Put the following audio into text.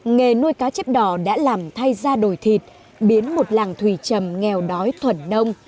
nghề nuôi cá chép đỏ đã làm thay ra đổi thịt biến một làng thủy trầm nghèo đói thuần nông